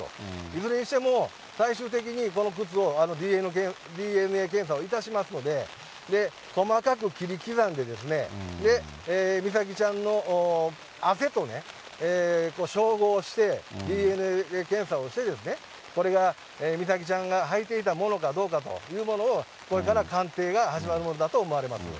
いずれにしても最終的に、この靴をＤＮＡ検査をいたしますので、細かく切り刻んで、美咲ちゃんの汗とね、照合して、ＤＮＡ検査をして、これが美咲ちゃんが履いていたものかどうかというものを、これから鑑定が始まるものだと思われます。